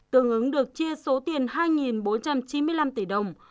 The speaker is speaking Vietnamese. tương ứng được chia số tiền hai bốn trăm chín mươi năm tỷ đồng